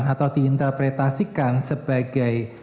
atau diinterpretasikan sebagai